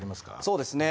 そうですね。